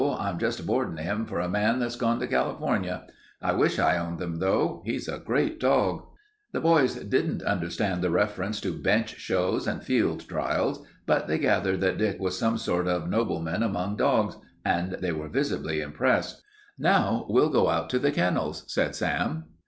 I'm just boardin' him for a man that's gone to California. I wish I owned him, though. He's a great dog." [Illustration: Chow Chow] The boys didn't understand the reference to bench shows and field trials, but they gathered that Dick was some sort of nobleman among dogs and they were visibly impressed. "Now we'll go out to the kennels," said Sam.